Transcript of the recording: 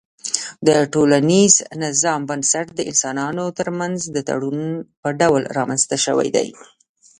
د ټولنيز نظام بنسټ د انسانانو ترمنځ د تړون په ډول رامنځته سوی دی